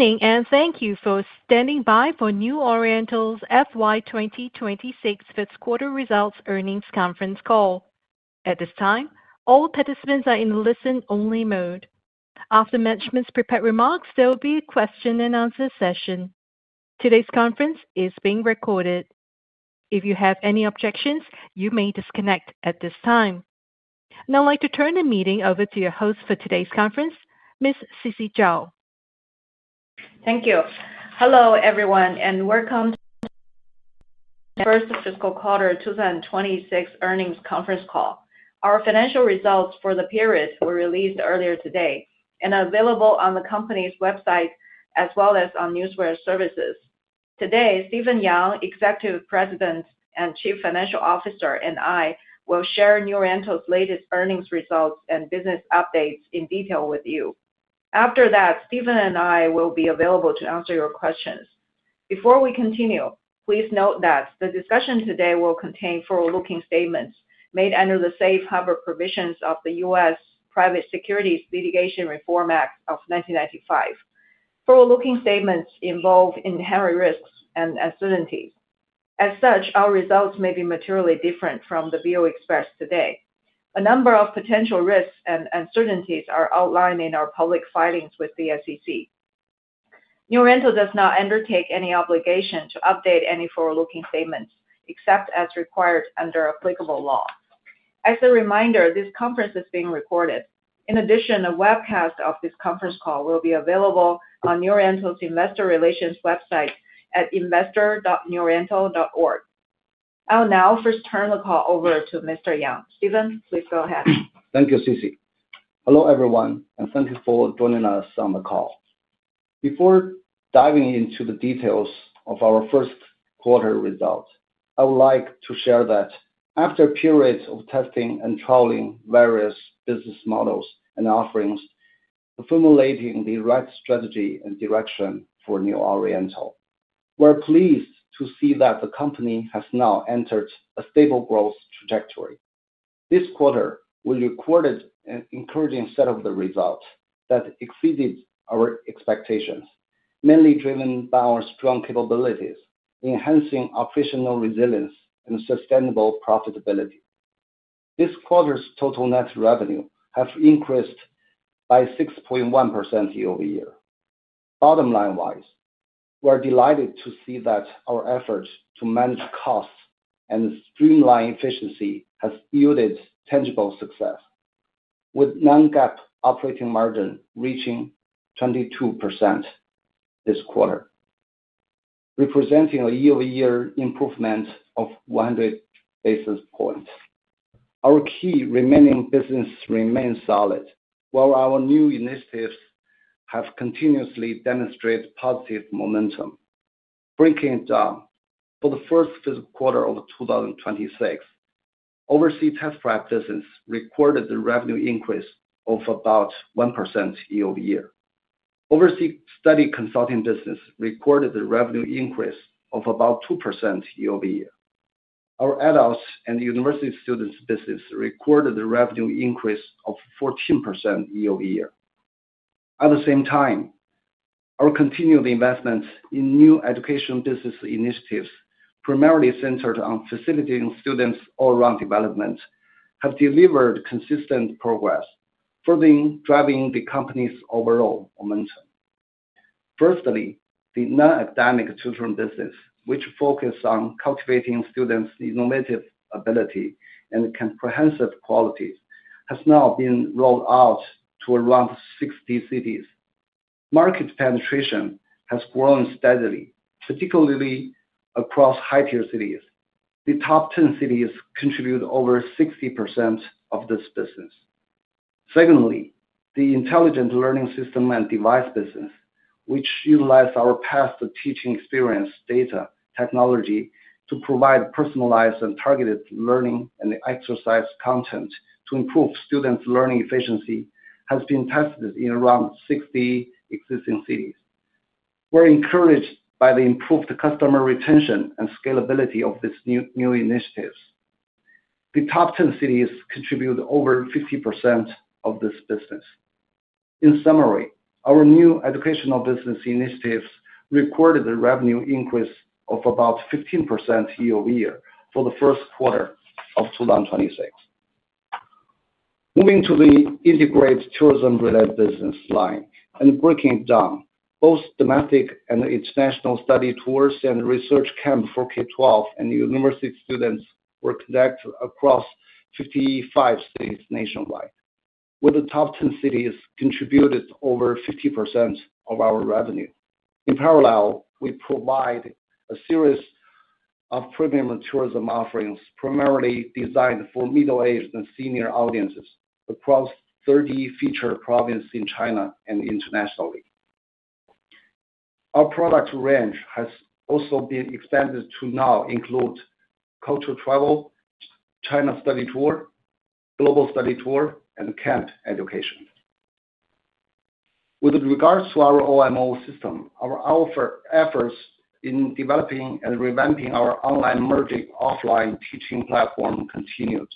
Evening and thank you for standing by for New Oriental Education & Technology Group's FY 2026 fifth quarter results earnings conference call. At this time, all participants are in listen-only mode. After management's prepared remarks, there will be a question and answer session. Today's conference is being recorded. If you have any objections, you may disconnect at this time. Now I'd like to turn the meeting over to your host for today's conference, Ms. Sisi Zhao. Thank you. Hello everyone and welcome to the first fiscal quarter 2026 earnings conference call. Our financial results for the period were released earlier today and are available on the company's website as well as on NewsWare Services. Today, Stephen Yang, Executive President and Chief Financial Officer, and I will share New Oriental's latest earnings results and business updates in detail with you. After that, Stephen and I will be available to answer your questions. Before we continue, please note that the discussion today will contain forward-looking statements made under the safe harbor provisions of the U.S. Private Securities Litigation Reform Act of 1995. Forward-looking statements involve inherent risks and uncertainties. As such, our results may be materially different from the view expressed today. A number of potential risks and uncertainties are outlined in our public filings with the SEC. New Oriental does not undertake any obligation to update any forward-looking statements except as required under applicable law. As a reminder, this conference is being recorded. In addition, a webcast of this conference call will be available on New Oriental's investor relations website at investor.neworiental.org. I'll now first turn the call over to Mr. Yang. Stephen, please go ahead. Thank you, Sisi. Hello everyone and thank you for joining us on the call. Before diving into the details of our first quarter results, I would like to share that after a period of testing and trialing various business models and offerings, formulating the right strategy and direction for New Oriental, we're pleased to see that the company has now entered a stable growth trajectory. This quarter, we recorded an encouraging set of results that exceeded our expectations, mainly driven by our strong capabilities, enhancing operational resilience, and sustainable profitability. This quarter's total net revenue has increased by 6.1% year-over-year. Bottom line-wise, we're delighted to see that our efforts to manage costs and streamline efficiency have yielded tangible success, with non-GAAP operating margin reaching 22% this quarter, representing a year-over-year improvement of 100 basis points. Our key remaining business remains solid, while our new initiatives have continuously demonstrated positive momentum. Breaking down for the first fiscal quarter of 2026, overseas test prep business recorded a revenue increase of about 1% year-over-year. Overseas study consulting business recorded a revenue increase of about 2% year-over-year. Our adults and university students business recorded a revenue increase of 14% year-over-year. At the same time, our continued investments in new education business initiatives, primarily centered on facilitating students' all-around development, have delivered consistent progress, further driving the company's overall momentum. Firstly, the non-academic tutoring business, which focuses on cultivating students' innovative ability and comprehensive qualities, has now been rolled out to around 60 cities. Market penetration has grown steadily, particularly across high-tier cities. The top 10 cities contribute over 60% of this business. Secondly, the intelligent learning system and device business, which utilizes our past teaching experience data technology to provide personalized and targeted learning and exercise content to improve students' learning efficiency, has been tested in around 60 existing cities. We're encouraged by the improved customer retention and scalability of these new initiatives. The top 10 cities contribute over 50% of this business. In summary, our new educational business initiatives recorded a revenue increase of about 15% year-over-year for the first quarter of 2026. Moving to the integrated tourism-related business line, and breaking down, both domestic and international study tours and research camps for K-12 and university students were connected across 55 cities nationwide, where the top 10 cities contributed over 50% of our revenue. In parallel, we provide a series of premium tourism offerings primarily designed for middle-aged and senior audiences across 30 provinces in China and internationally. Our product range has also been expanded to now include cultural travel, China study tour, global study tour, and camp education. With regards to our OMO system, our efforts in developing and revamping our OMO teaching platform continued.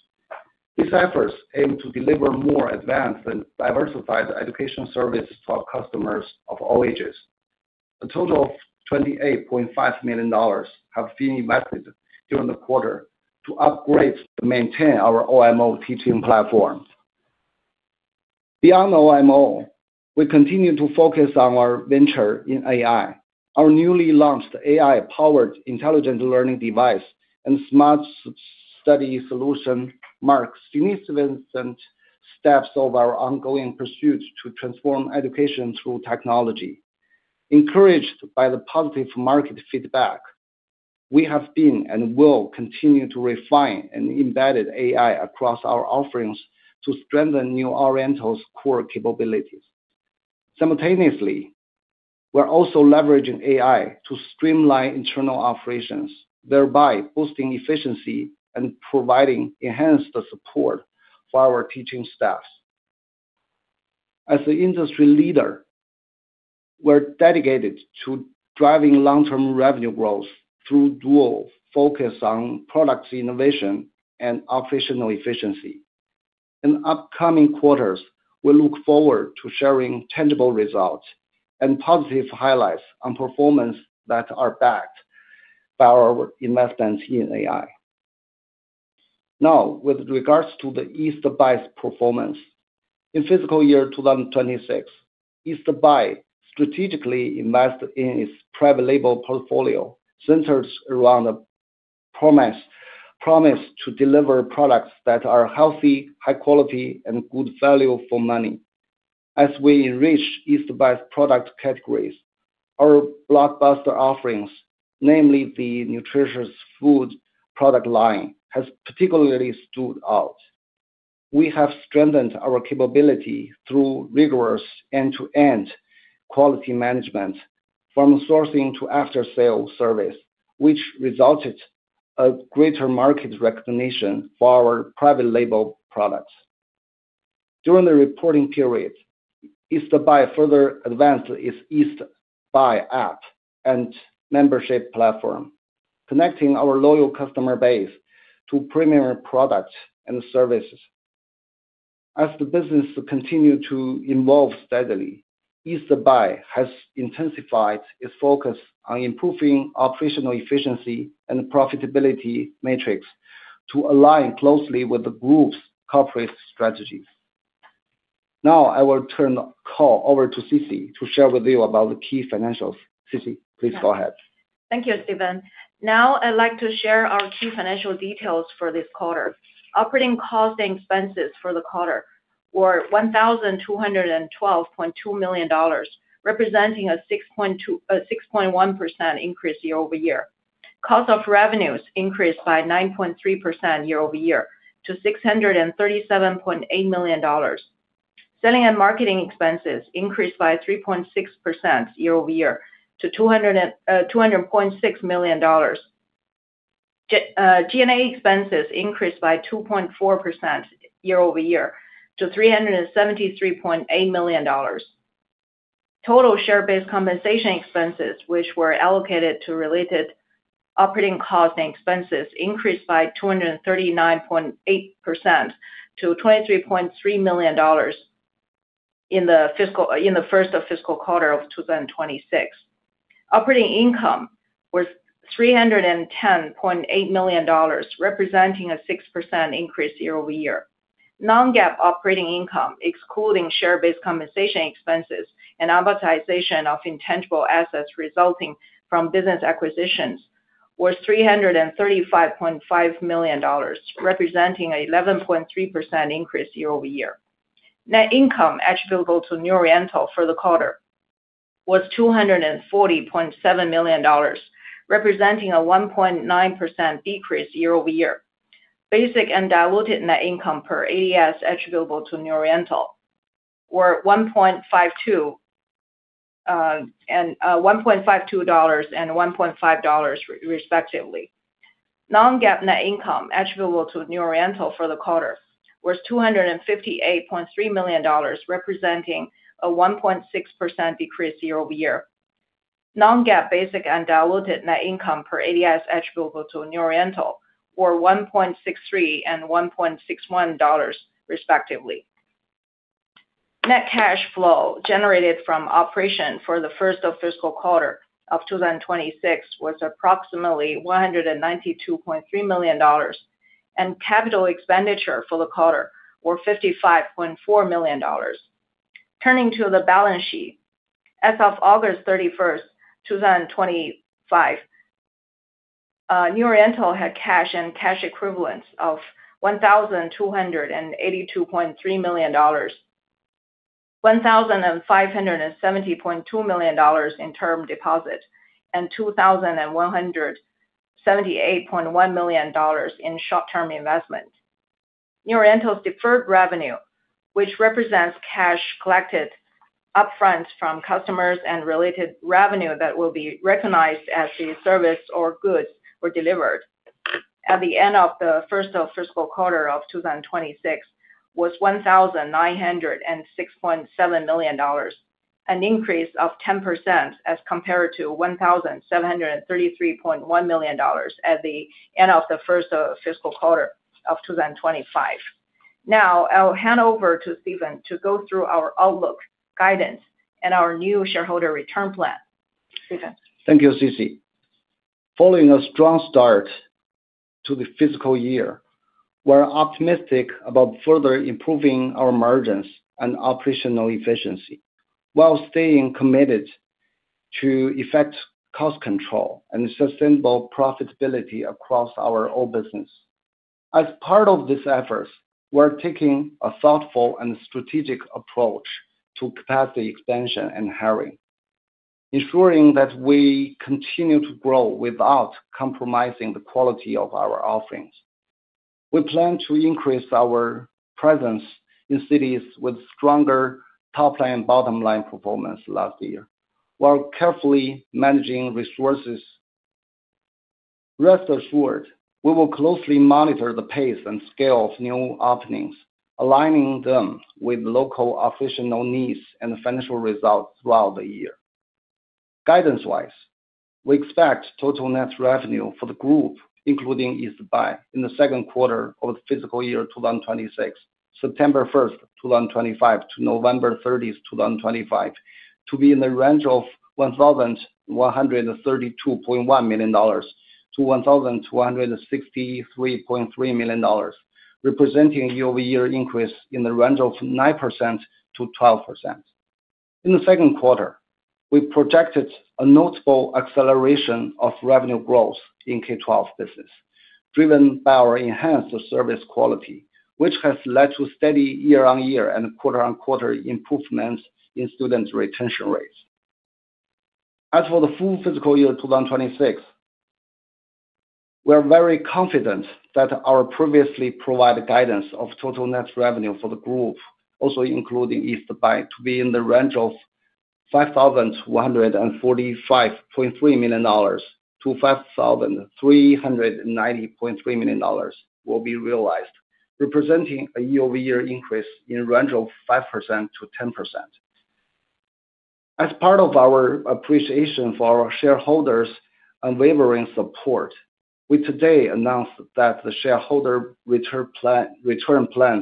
These efforts aim to deliver more advanced and diversified education services to our customers of all ages. A total of $28.5 million have been invested during the quarter to upgrade and maintain our OMO teaching platform. Beyond OMO, we continue to focus on our venture in AI. Our newly launched AI-powered intelligent learning device and smart study solution marks significant steps of our ongoing pursuit to transform education through technology. Encouraged by the positive market feedback, we have been and will continue to refine and embed AI across our offerings to strengthen New Oriental's core capabilities. Simultaneously, we're also leveraging AI to streamline internal operations, thereby boosting efficiency and providing enhanced support for our teaching staff. As an industry leader, we're dedicated to driving long-term revenue growth through a dual focus on product innovation and operational efficiency. In upcoming quarters, we look forward to sharing tangible results and positive highlights on performance that are backed by our investments in AI. Now, with regards to East Buy's performance, in fiscal year 2026, East Buy strategically invested in its private label portfolio centered around the promise to deliver products that are healthy, high quality, and good value for money. As we enrich East Buy's product categories, our blockbuster offerings, namely the nutritious food product line, have particularly stood out. We have strengthened our capability through rigorous end-to-end quality management, from sourcing to after-sale service, which resulted in greater market recognition for our private label products. During the reporting period, East Buy further advanced its East Buy app and membership platform, connecting our loyal customer base to premium products and services. As the business continues to evolve steadily, East Buy has intensified its focus on improving operational efficiency and profitability metrics to align closely with the group's corporate strategies. Now, I will turn the call over to Sisi to share with you about the key financials. Sisi, please go ahead. Thank you, Stephen. Now, I'd like to share our key financial details for this quarter. Operating costs and expenses for the quarter were $1,212.2 million, representing a 6.1% increase year-over-year. Cost of revenues increased by 9.3% year-over-year to $637.8 million. Selling and marketing expenses increased by 3.6% year-over-year to $200.6 million. G&A expenses increased by 2.4% year-over-year to $373.8 million. Total share-based compensation expenses, which were allocated to related operating costs and expenses, increased by 239.8% to $23.3 million in the first fiscal quarter of 2026. Operating income was $310.8 million, representing a 6% increase year-over-year. Non-GAAP operating income, excluding share-based compensation expenses and amortization of intangible assets resulting from business acquisitions, was $335.5 million, representing an 11.3% increase year-over-year. Net income attributable to New Oriental for the quarter was $240.7 million, representing a 1.9% decrease year-over-year. Basic and diluted net income per ADS attributable to New Oriental were $1.52 and $1.50 respectively. Non-GAAP net income attributable to New Oriental for the quarter was $258.3 million, representing a 1.6% decrease year-over-year. Non-GAAP basic and diluted net income per ADS attributable to New Oriental were $1.63 and $1.61 respectively. Net cash flow generated from operation for the first fiscal quarter of 2026 was approximately $192.3 million, and capital expenditure for the quarter was $55.4 million. Turning to the balance sheet, as of August 31, 2025, New Oriental had cash and cash equivalents of $1,282.3 million, $1,570.2 million in term deposits, and $2,178.1 million in short-term investment. New Oriental's deferred revenue, which represents cash collected upfront from customers and related revenue that will be recognized as the service or goods are delivered at the end of the first fiscal quarter of 2026, was $1,906.7 million, an increase of 10% as compared to $1,733.1 million at the end of the first fiscal quarter of 2025. Now, I'll hand over to Stephen to go through our outlook guidance and our new shareholder return plan. Stephen. Thank you, Sisi. Following a strong start to the fiscal year, we're optimistic about further improving our margins and operational efficiency while staying committed to effective cost control and sustainable profitability across all our business. As part of these efforts, we're taking a thoughtful and strategic approach to capacity expansion and hiring, ensuring that we continue to grow without compromising the quality of our offerings. We plan to increase our presence in cities with stronger top-line and bottom-line performance last year, while carefully managing resources. Rest assured, we will closely monitor the pace and scale of new openings, aligning them with local operational needs and financial results throughout the year. Guidance-wise, we expect total net revenue for the group, including East Buy, in the second quarter of the fiscal year 2026, September 1, 2025 to November 30, 2025, to be in the range of $1,132.1 million-$1,263.3 million, representing a year-over-year increase in the range of 9%-12%. In the second quarter, we projected a notable acceleration of revenue growth in K-12 business, driven by our enhanced service quality, which has led to steady year-over-year and quarter-over-quarter improvements in student retention rates. As for the full fiscal year 2026, we're very confident that our previously provided guidance of total net revenue for the group, also including East Buy, to be in the range of $5,145.3 million-$5,390.3 million will be realized, representing a year-over-year increase in the range of 5%-10%. As part of our appreciation for our shareholders' unwavering support, we today announced that the shareholder return plan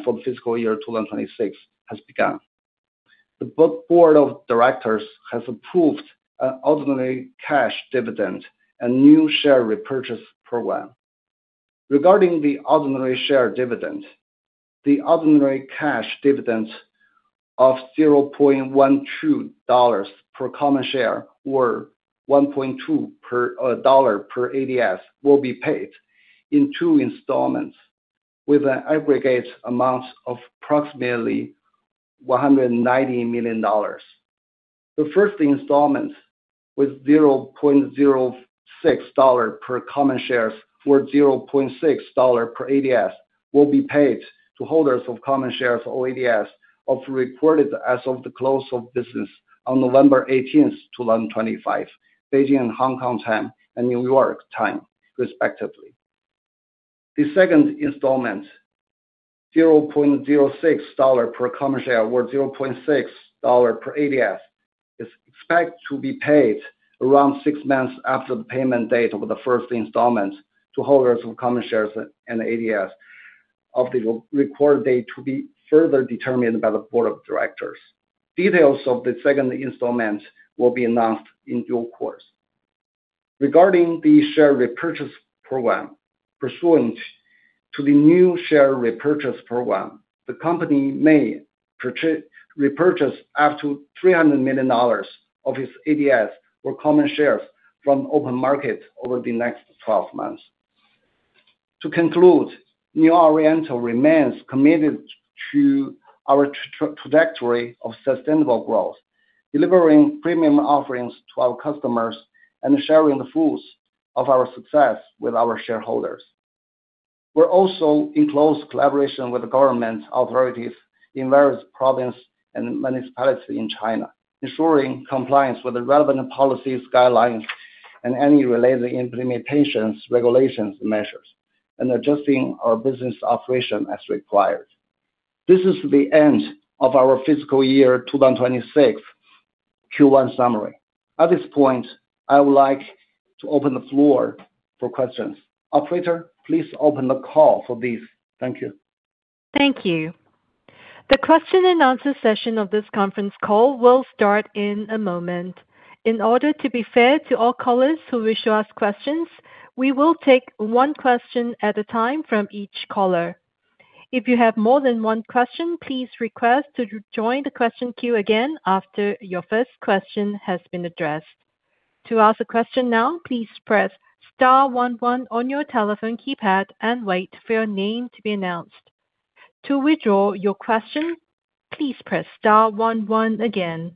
for the fiscal year 2026 has begun. The board of directors has approved an ordinary cash dividend and new share repurchase program. Regarding the ordinary share dividend, the ordinary cash dividend of $0.12 per common share or $1.20 per ADS will be paid in two installments with an aggregate amount of approximately $190 million. The first installment with $0.06 per common share or $0.60 per ADS will be paid to holders of common shares or ADS of record as of the close of business on November 18, 2025, Beijing and Hong Kong time and New York time, respectively. The second installment, $0.06 per common share or $0.60 per ADS, is expected to be paid around six months after the payment date of the first installment to holders of common shares and ADS of the record date to be further determined by the Board of Directors. Details of the second installment will be announced in due course. Regarding the share repurchase program, pursuant to the new share repurchase program, the company may repurchase up to $300 million of its ADS or common shares from the open market over the next 12 months. To conclude, New Oriental remains committed to our trajectory of sustainable growth, delivering premium offerings to our customers and sharing the fruits of our success with our shareholders. We're also in close collaboration with the government authorities in various provinces and municipalities in China, ensuring compliance with the relevant policies, guidelines, and any related implementations, regulations, and measures, and adjusting our business operation as required. This is the end of our fiscal year 2026 Q1 summary. At this point, I would like to open the floor for questions. Operator, please open the call for these. Thank you. Thank you. The question-and-answer session of this conference call will start in a moment. In order to be fair to all callers who wish to ask questions, we will take one question at a time from each caller. If you have more than one question, please request to join the question queue again after your first question has been addressed. To ask a question now, please press star one-one on your telephone keypad and wait for your name to be announced. To withdraw your question, please press star one-one again.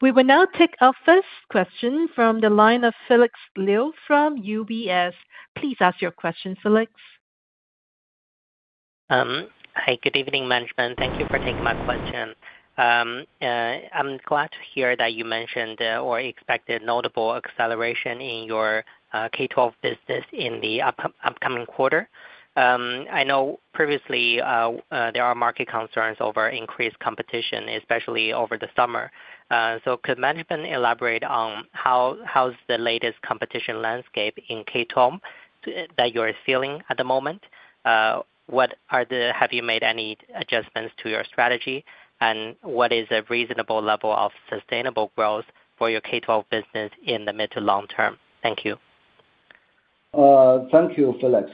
We will now take our first question from the line of Felix Liu from UBS. Please ask your question, Felix. Hi. Good evening, management. Thank you for taking my question. I'm glad to hear that you mentioned or expected a notable acceleration in your K-12 business in the upcoming quarter. I know previously there are market concerns over increased competition, especially over the summer. Could management elaborate on how is the latest competition landscape in K-12 that you are feeling at the moment? Have you made any adjustments to your strategy? What is a reasonable level of sustainable growth for your K-12 business in the mid to long term? Thank you. Thank you, Felix.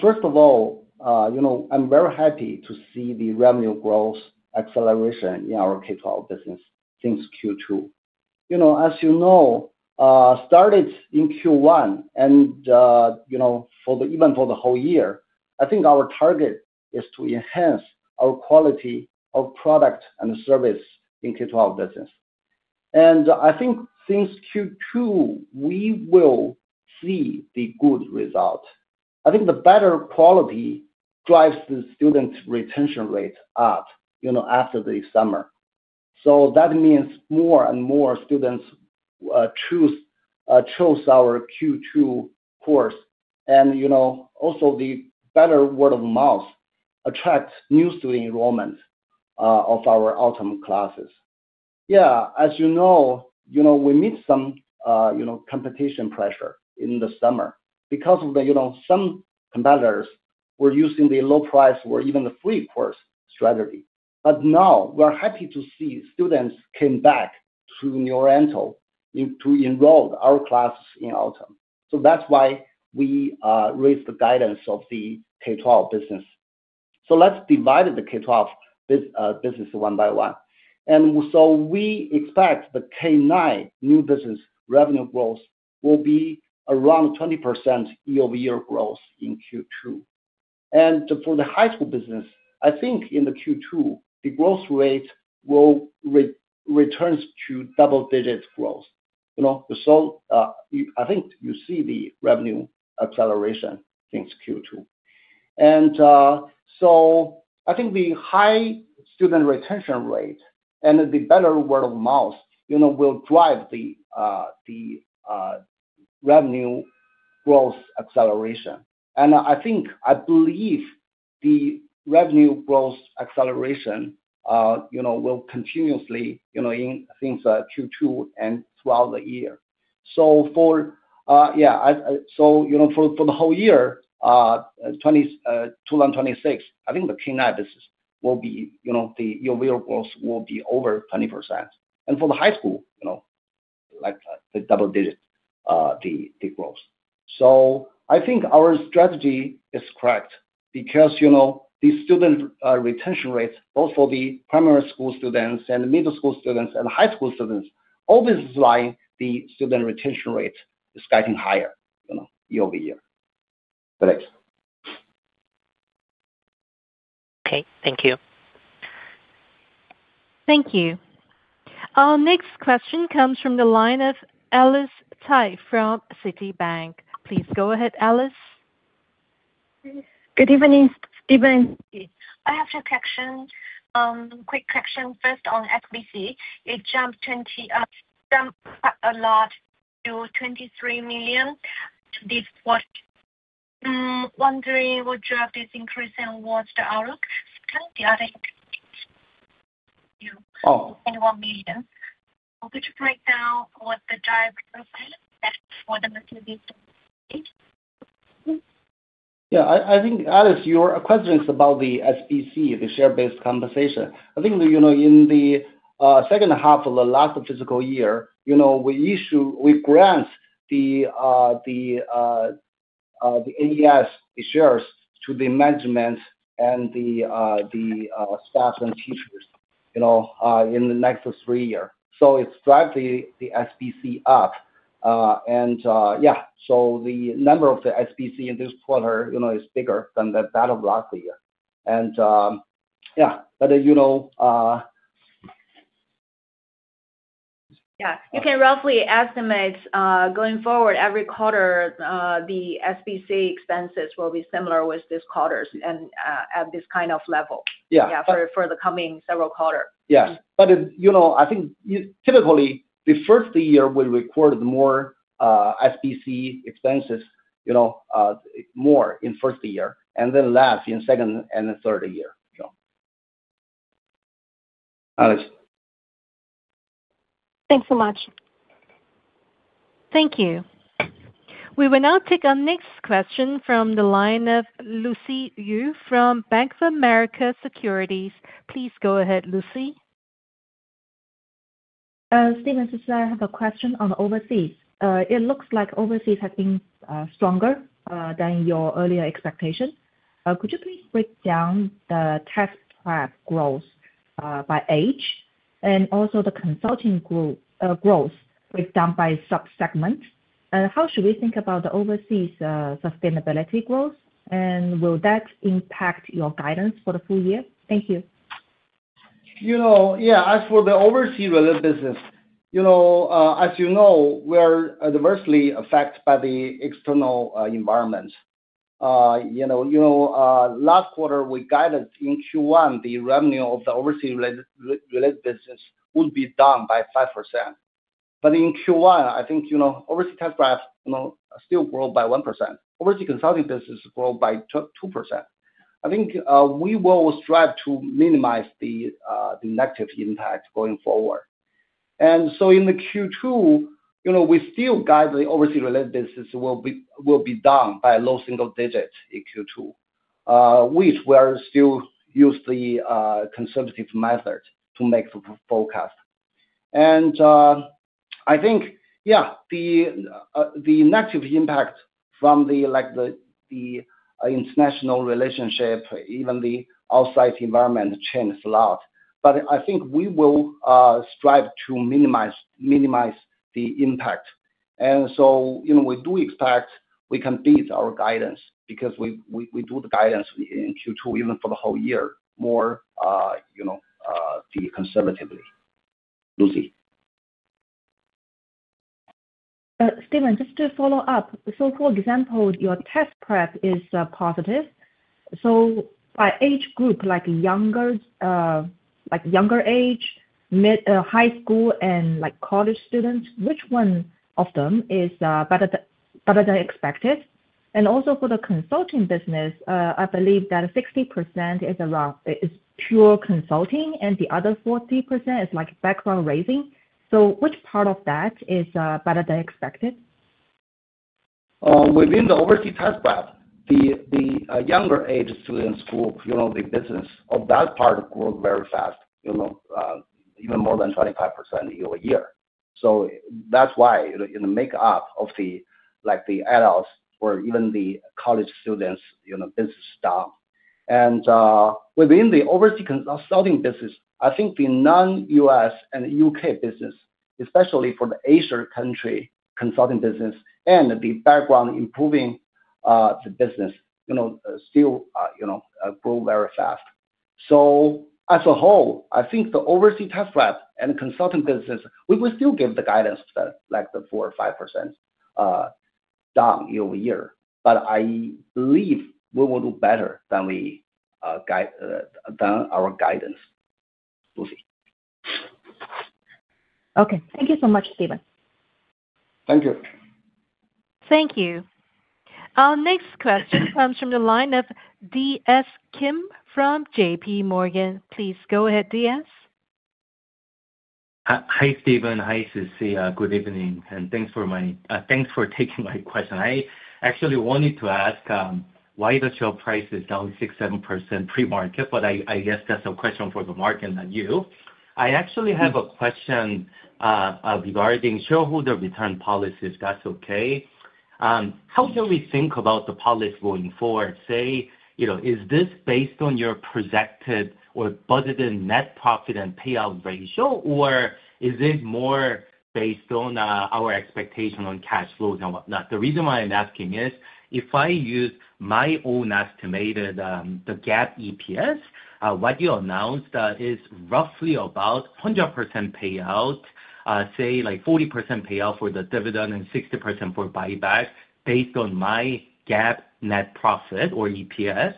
First of all, I'm very happy to see the revenue growth acceleration in our K-12 business since Q2. As you know, I started in Q1, and even for the whole year, I think our target is to enhance our quality of product and service in K-12 business. I think since Q2, we will see the good result. I think the better quality drives the student retention rate up after the summer. That means more and more students choose our Q2 course. Also, the better word of mouth attracts new student enrollment of our autumn classes. As you know, we meet some competition pressure in the summer because some competitors were using the low price or even the free course strategy. Now we're happy to see students came back to New Oriental to enroll our classes in autumn. That's why we raised the guidance of the K-12 business. Let's divide the K-12 business one by one. We expect the K-9 new business revenue growth will be around 20% year-over-year growth in Q2. For the high school business, I think in Q2, the growth rate will return to double-digit growth. I think you see the revenue acceleration since Q2. I think the high student retention rate and the better word of mouth will drive the revenue growth acceleration. I believe the revenue growth acceleration will continuously in since Q2 and throughout the year. For the whole year, 2026, I think the K-9 business will be, the year-over-year growth will be over 20%. For the high school, like the double-digit growth. I think our strategy is correct because the student retention rates, both for the primary school students and the middle school students and the high school students, all business lines, the student retention rate is getting higher year-over-year. Thanks. Okay, thank you. Thank you. Our next question comes from the line of Alice Cai from Citibank. Please go ahead, Alice. Good evening, Stephen. I have two questions. Quick question. First, on SBC, it jumped a lot to $23 million this quarter. I'm wondering what drove this increase and what's the outlook? The other increase, $21 million. Would you break down what the driver is for the SBC? Yeah. I think Alice, your question is about the SBC, the share-based compensation. I think, you know, in the second half of the last fiscal year, we issue, we grant the AES shares to the management and the staff and teachers, you know, in the next three years. It's driving the SBC up. Yeah, the number of the SBC in this quarter is bigger than that of last year. Yeah, you know. You can roughly estimate going forward every quarter, the SBC expenses will be similar with this quarter and at this kind of level for the coming several quarters. Yes, I think typically, the first of the year, we recorded more SBC expenses, more in the first of the year and then less in the second and the third of the year. Thanks so much. Thank you. We will now take our next question from the line of Lucy Yu from Bank of America Securities. Please go ahead, Lucy. Stephen, I have a question on overseas. It looks like overseas has been stronger than your earlier expectation. Could you please break down the test prep growth by age and also the consulting group growth breakdown by subsegment? How should we think about the overseas sustainability growth? Will that impact your guidance for the full year? Thank you. Yeah. As for the overseas-related business, as you know, we are adversely affected by the external environment. Last quarter, we guided in Q1 the revenue of the overseas-related business would be down by 5%. In Q1, I think overseas test prep still grows by 1%. Overseas consulting business grows by 2%. I think we will strive to minimize the negative impact going forward. In Q2, we still guide the overseas-related business will be down by a low single digit in Q2, which we are still using the conservative method to make the forecast. I think the negative impact from the international relationship, even the outside environment, changed a lot. I think we will strive to minimize the impact. We do expect we can beat our guidance because we do the guidance in Q2 even for the whole year more conservatively. Lucy. Stephen, just to follow up. For example, your test prep is positive. By age group, like younger age, high school, and like college students, which one of them is better than expected? Also, for the consulting business, I believe that 60% is around pure consulting and the other 40% is like background raising. Which part of that is better than expected? Within the overseas test prep, the younger age students group, the business of that part grows very fast, even more than 25% year-over-year. That's why in the makeup of the adults or even the college students, this is down. Within the overseas consulting business, I think the non-U.S. and U.K. business, especially for the Asia country consulting business and the background improving business, still grow very fast. As a whole, I think the overseas test prep and consulting business, we will still give the guidance of like the 4% or 5% down year-over-year. I believe we will do better than our guidance. Lucy. Okay. Thank you so much, Stephen. Thank you. Thank you. Our next question comes from the line of DS Kim from JPMorgan. Please go ahead, DS Hi, Stephen. Hi, Sisi. Good evening. Thanks for taking my question. I actually wanted to ask why the share price is down 6%, 7% pre-market, but I guess that's a question for the market and you. I actually have a question regarding shareholder return policies, if that's okay. How do we think about the policy going forward? Say, you know, is this based on your projected or budgeted net profit and payout ratio, or is it more based on our expectation on cash flows and whatnot? The reason why I'm asking is if I use my own estimated the GAAP EPS, what you announced is roughly about 100% payout, say like 40% payout for the dividend and 60% for buybacks based on my GAAP net profit or EPS.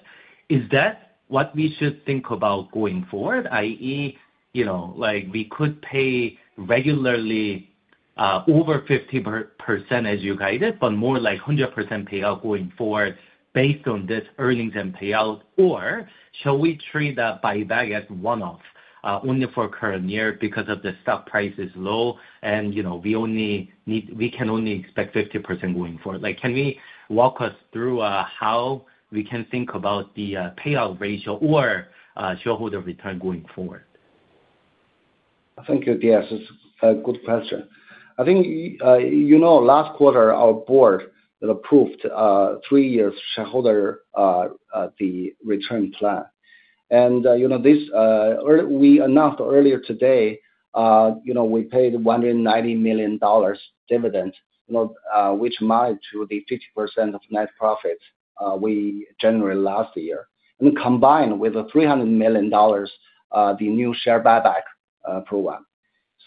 Is that what we should think about going forward? I.e., you know, like we could pay regularly over 50% as you guided, but more like 100% payout going forward based on this earnings and payout, or shall we treat the buyback as one-off only for the current year because the stock price is low and you know we only need we can only expect 50% going forward? Like can we walk us through how we can think about the payout ratio or shareholder return going forward? I think, yes, it's a good question. I think you know last quarter our board approved three years shareholder return plan. You know this early we announced earlier today, you know we paid $190 million dividend, you know which amounted to the 50% of net profit we generated last year. Combined with the $300 million, the new share buyback program.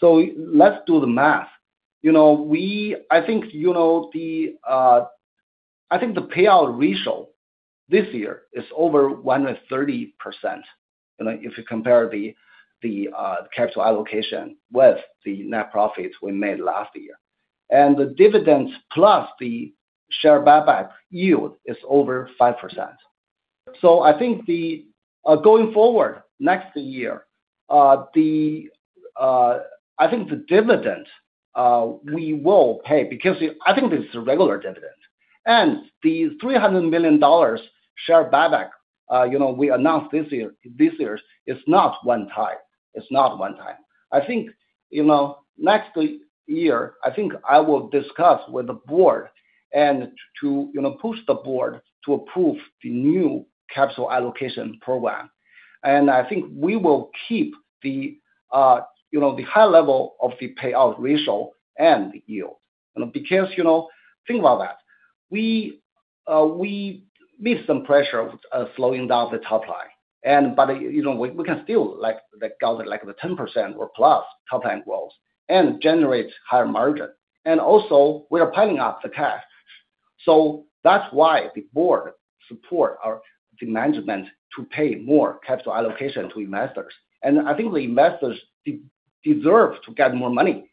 Let's do the math. You know I think you know the payout ratio this year is over 130%. You know if you compare the capital allocation with the net profit we made last year. The dividends plus the share buyback yield is over 5%. I think going forward next year, I think the dividend we will pay because I think this is a regular dividend. The $300 million share buyback you know we announced this year is not one-time. It's not one-time. I think you know next year, I think I will discuss with the board and push the board to approve the new capital allocation program. I think we will keep the high level of the payout ratio and yield. You know think about that. We meet some pressure of slowing down the top line. You know we can still like that go like the 10% or plus top-line growth and generate higher margin. Also, we are piling up the cash. That's why the board supports the management to pay more capital allocation to investors. I think the investors deserve to get more money,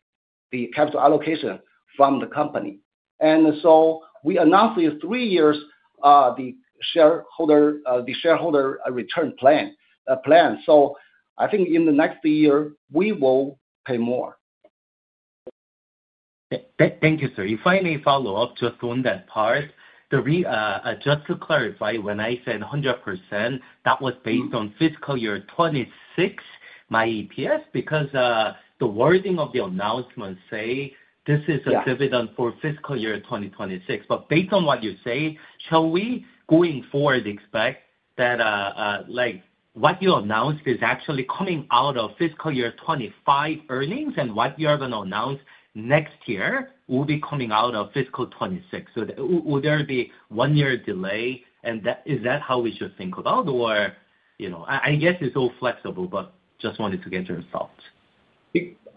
the capital allocation from the company. We announced three years the shareholder return plan. I think in the next year, we will pay more. Thank you, sir. If I may follow up just on that part, just to clarify, when I said 100%, that was based on fiscal year 2026, my EPS? Because the wording of the announcement says this is a dividend for fiscal year 2026. Based on what you say, shall we going forward expect that like what you announced is actually coming out of fiscal year 2025 earnings and what you are going to announce next year will be coming out of fiscal 2026? Will there be a one-year delay? Is that how we should think about it? I guess it's all flexible, but just wanted to get your thoughts.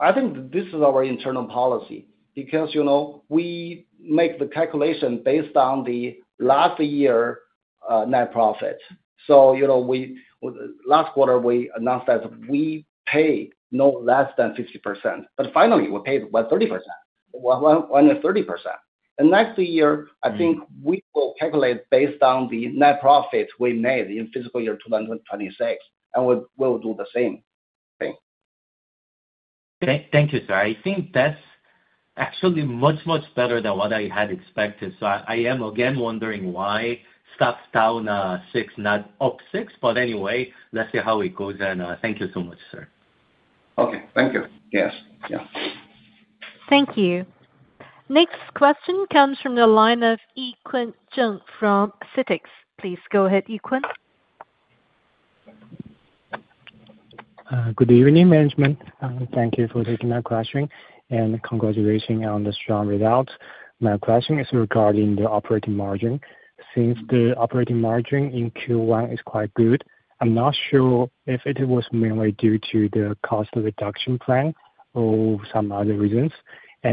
I think this is our internal policy because you know we make the calculation based on the last year net profit. Last quarter, we announced that we pay no less than 50%. Finally, we paid 30%. Next year, I think we will calculate based on the net profit we made in fiscal year 2026, and we will do the same thing. Thank you, sir. I think that's actually much, much better than what I had expected. I am again wondering why stocks down 6, not up 6. Anyway, let's see how it goes. Thank you so much, sir. Okay. Thank you. Yes. Thank you. Next question comes from the line of Yiqun Chen from CICC. Please go ahead, Yiqun. Good evening, management. Thank you for taking my question and congratulations on the strong results. My question is regarding the operating margin. Since the operating margin in Q1 is quite good, I'm not sure if it was mainly due to the cost reduction plan or some other reasons.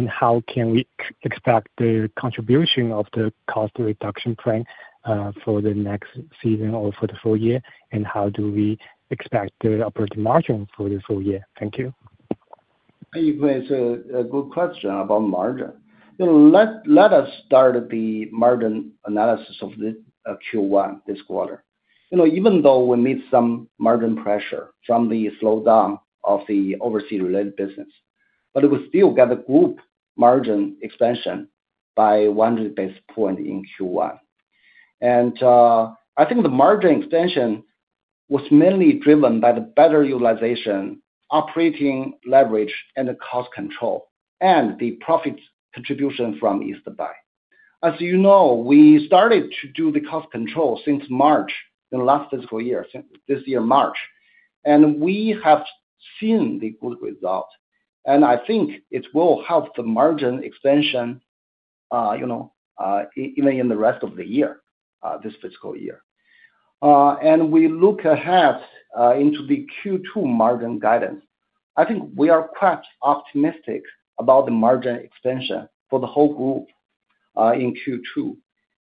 How can we expect the contribution of the cost reduction plan for the next season or for the full year? How do we expect the operating margin for the full year? Thank you. Thank you, Yiqun. It's a good question about margin. Let us start the margin analysis of this Q1, this quarter. Even though we meet some margin pressure from the slowdown of the overseas-related business, we still got the group margin expansion by 100 basis points in Q1. I think the margin expansion was mainly driven by the better utilization, operating leverage, the cost control, and the profit contribution from East Buy. As you know, we started to do the cost control since March, in the last fiscal year, this year, March. We have seen the good result. I think it will help the margin expansion, even in the rest of the year, this fiscal year. We look ahead into the Q2 margin guidance. I think we are quite optimistic about the margin expansion for the whole group in Q2.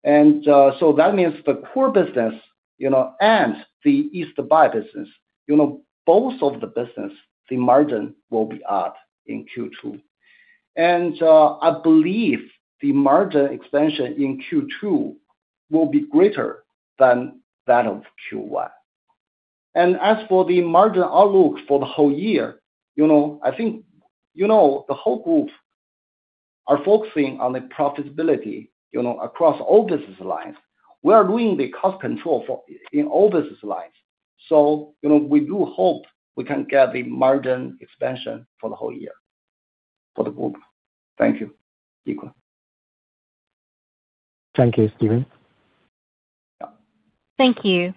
That means the core business and the East Buy business, both of the business, the margin will be up in Q2. I believe the margin expansion in Q2 will be greater than that of Q1. As for the margin outlook for the whole year, I think the whole group are focusing on the profitability across all business lines. We are doing the cost control in all business lines. We do hope we can get the margin expansion for the whole year for the group. Thank you, Yiqun. Thank you, Stephen. Yeah. Thank you.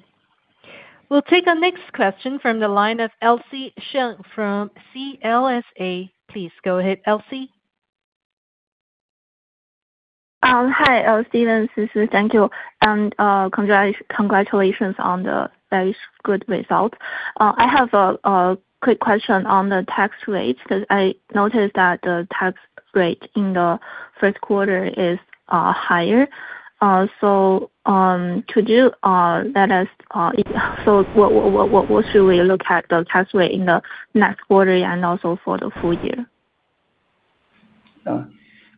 We'll take our next question from the line of Elsie Sheng from CLSA. Please go ahead, Elsie. Hi, Stephen, Sisi. Thank you, and congratulations on the very good result. I have a quick question on the tax rates because I noticed that the tax rate in the first quarter is higher. Could you let us know what we should look at for the tax rate in the next quarter and also for the full year?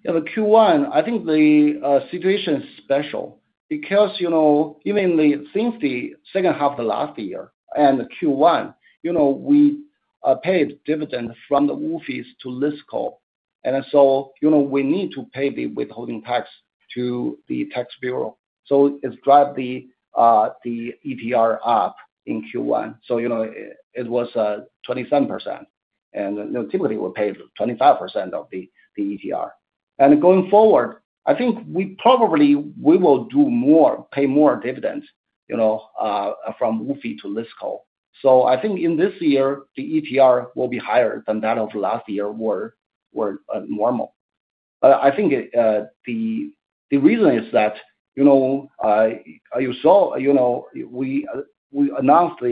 Yeah. The Q1, I think the situation is special because, you know, even since the second half of last year and Q1, we paid dividends from the office to LISCO, and we need to pay the withholding tax to the tax bureau. It's driving the ETR up in Q1. It was 27%. Typically, we pay 25% of the ETR. Going forward, I think we probably will do more, pay more dividends from office to LISCO. I think in this year, the ETR will be higher than that of last year or normal. The reason is that, you know, you saw, we announced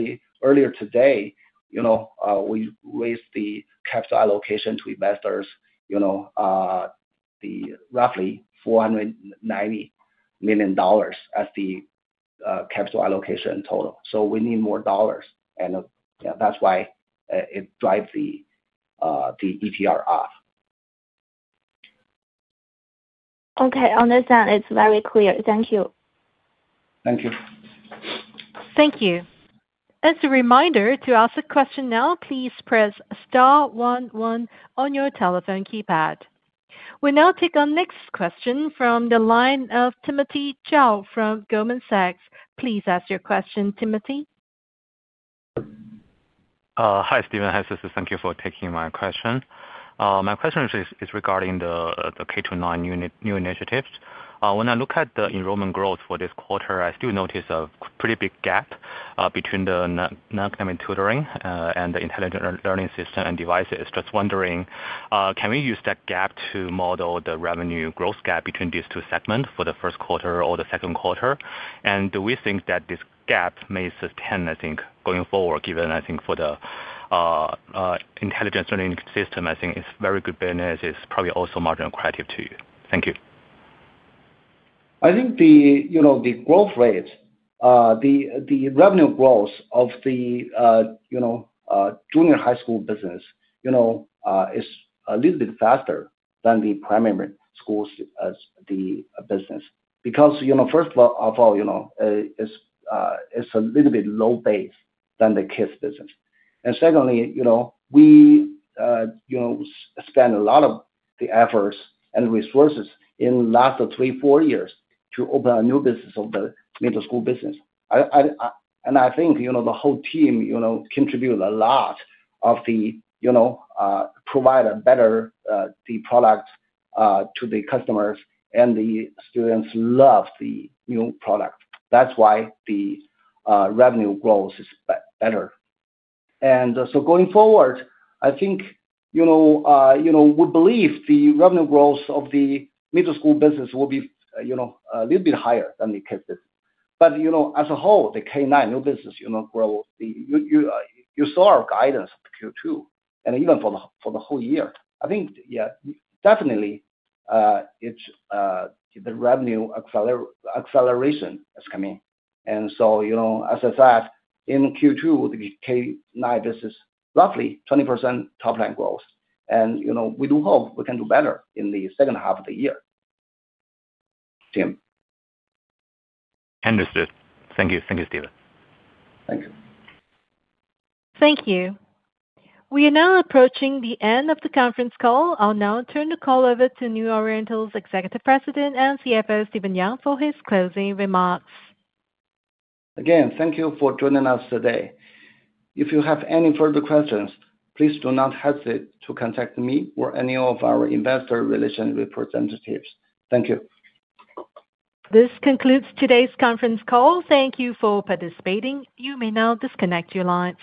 earlier today, we raised the capital allocation to investors, roughly $490 million as the capital allocation total. We need more dollars, and that's why it drives the ETR up. Okay. On this end, it's very clear. Thank you. Thank you. Thank you. As a reminder, to ask a question now, please press star one-one on your telephone keypad. We now take our next question from the line of Timothy Zhao from Goldman Sachs. Please ask your question, Timothy. Hi, Stephen. Hi, Sisi. Thank you for taking my question. My question is regarding the K-12 non-union initiatives. When I look at the enrollment growth for this quarter, I still notice a pretty big gap between the non-academic tutoring and the intelligent learning system and devices. Just wondering, can we use that gap to model the revenue growth gap between these two segments for the first quarter or the second quarter? Do we think that this gap may sustain, I think, going forward, given I think for the intelligent learning system, I think it's very good business. It's probably also marginally attractive to you. Thank you. I think the growth rate, the revenue growth of the junior high school business is a little bit faster than the primary school business because, first of all, it's a little bit low base than the kids' business. Secondly, we spent a lot of the efforts and resources in the last three, four years to open a new business of the middle school business. I think the whole team contributed a lot to provide a better product to the customers, and the students love the new product. That's why the revenue growth is better. Going forward, I think we believe the revenue growth of the middle school business will be a little bit higher than the kids' business. As a whole, the K-9 new business grows, you saw our guidance of Q2. Even for the whole year, I think, yeah, definitely, the revenue acceleration is coming. As I said, in Q2, the K-9 business, roughly 20% top-line growth. We do hope we can do better in the second half of the year. Tim. Understood. Thank you. Thank you, Stephen. Thank you. Thank you. We are now approaching the end of the conference call. I'll now turn the call over to New Oriental's Executive President and CFO, Stephen Yang, for his closing remarks. Again, thank you for joining us today. If you have any further questions, please do not hesitate to contact me or any of our investor relations representatives. Thank you. This concludes today's conference call. Thank you for participating. You may now disconnect your line.